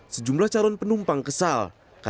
sejumlah calon penumpang kesal